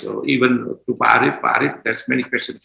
atau bahkan kepada pak arief pak arief ada banyak pertanyaan